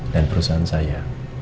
dan perusahaan saya